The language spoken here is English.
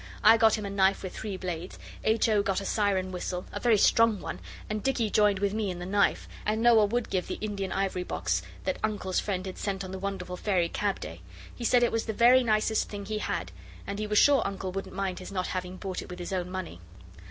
I got him a knife with three blades; H. O. got a siren whistle, a very strong one, and Dicky joined with me in the knife, and Noel would give the Indian ivory box that Uncle's friend had sent on the wonderful Fairy Cab day. He said it was the very nicest thing he had, and he was sure Uncle wouldn't mind his not having bought it with his own money.